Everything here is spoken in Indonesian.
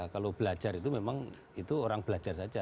kalau belajar itu memang itu orang belajar saja